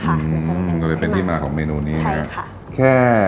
อืมโดยเป็นที่มาของเมนูนี้ไหมคะใช่ค่ะ